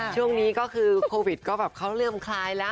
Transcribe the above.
ช่วงนี้ก็คือโควิดก็แบบเขาเริ่มคลายแล้ว